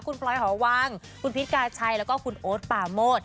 คุณพลอยหอวังคุณพีชกาชัยแล้วก็คุณโอ๊ตปาโมด